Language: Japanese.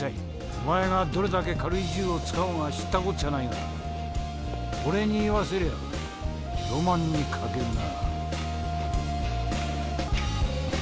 お前がどれだけ軽い銃を使おうが知ったこっちゃないが、俺に言わせりゃロマンに欠けるな。